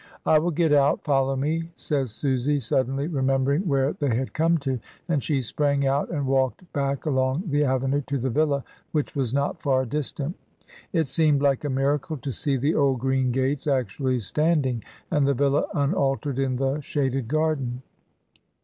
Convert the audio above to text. "I will get out, follow me," says Susy, suddenly remembering where they had come to, and she sprang out and walked back along the avenue to the villa, which was not far distant. It seemed like a miracle to see the old green gates actually stand ing, and the villa unaltered in the shaded garden.